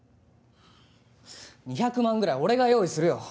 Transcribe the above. ２００万ぐらい俺が用意するよ。